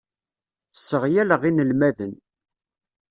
Sseɣyaleɣ inelmaden.